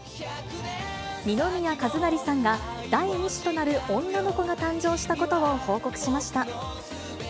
二宮和也さんが第２子となる女の子が誕生したことを報告しました。